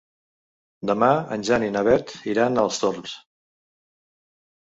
Demà en Jan i na Beth iran als Torms.